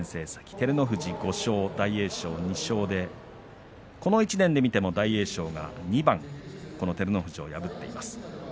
照ノ富士５勝、大栄翔２勝でこの１年で見ても大栄翔が２番この照ノ富士を破っています。